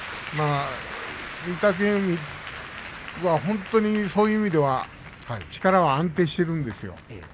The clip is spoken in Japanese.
御嶽海は本当にそういう意味では力は安定しているんですよ。